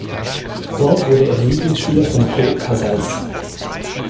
Dort wurde er Lieblingsschüler von Pau Casals.